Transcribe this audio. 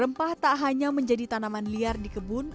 rempah tak hanya menjadi tanaman liar di kebun